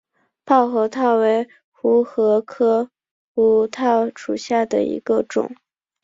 泡核桃为胡桃科胡桃属下的一个种。